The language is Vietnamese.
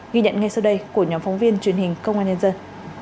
ghi nhận ngay sau đây của nhóm phóng viên truyền hình công an nhân dân